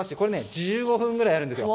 １５分ぐらいやるんですよ。